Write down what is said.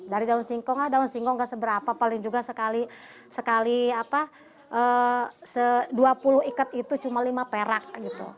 dari daun singkong lah daun singkong nggak seberapa paling juga sekali dua puluh ikat itu cuma lima perak gitu